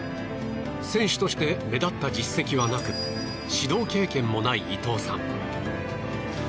選手として目立った実績はなく指導経験もない伊藤さん。